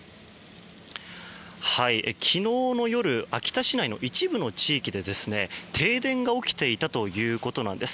昨日の夜秋田市内の一部の地域で停電が起きていたということなんです。